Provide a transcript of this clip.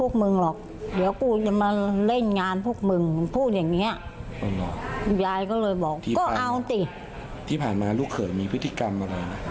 ก็เลยยิงซะเลยค่ะ